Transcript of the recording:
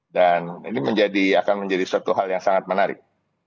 dan ini akan menjadi suatu hal yang sangat menarik